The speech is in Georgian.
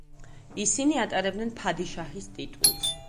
ისინი ატარებდნენ „ფადიშაჰის“ ტიტულს.